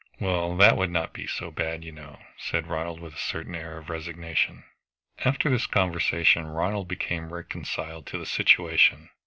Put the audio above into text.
"Well that would not be so bad, you know," said Ronald with a certain air of resignation. After this conversation Ronald became reconciled to the situation.